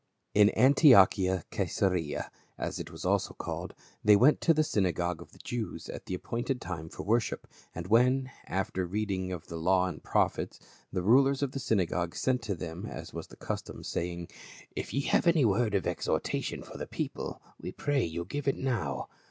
In Antiochia Caesarea, as it was also called, they went to the synagogue of the Jews at the appointed time for worship, and when after the reading of the law and the prophets, the rulers of the synagogue sent to them as was the custom, saying, "If ye have any word of exhortation for the people, we pray you give it now."